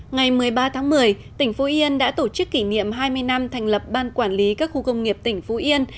ngày một mươi ba tháng một mươi tỉnh phú yên đã tổ chức kỷ niệm hai mươi năm thành lập ban quản lý các khu công nghiệp tỉnh phú yên